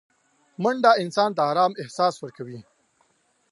منډه انسان ته ارامه احساس ورکوي